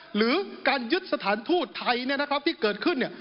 หรือการยึดสถานทูตไทยเนี่ยนะครับที่เกิดขึ้นเนี่ย